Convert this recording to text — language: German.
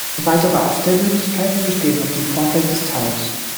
Weitere Abstellmöglichkeiten bestehen auf dem Vorfeld des Towers.